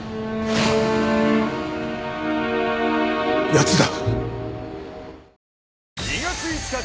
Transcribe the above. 奴だ。